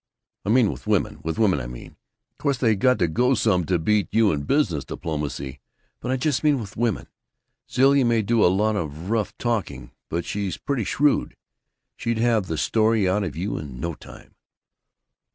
"I mean with women! With women, I mean. Course they got to go some to beat you in business diplomacy, but I just mean with women. Zilla may do a lot of rough talking, but she's pretty shrewd. She'd have the story out of you in no time."